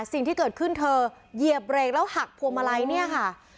สิ่งที่เกิดขึ้นเธอเหยียบเบรกแล้วหักพวงมาลัยเนี่ยค่ะ